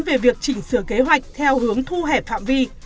về việc chỉnh sửa kế hoạch theo hướng thu hẹp phạm vi